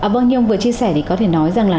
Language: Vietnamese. vâng như ông vừa chia sẻ thì có thể nói rằng là